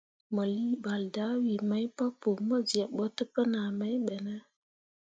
Mo lii ɓal dahwii mai papou mo zyeb ɓo təpənah mai ɓe ne?